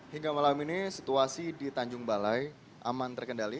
hingga malam ini situasi di tanjung balai aman terkendali